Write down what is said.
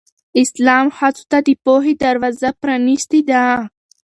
اسلام ښځو ته د پوهې دروازه پرانستې ده.